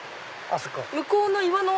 あそこに？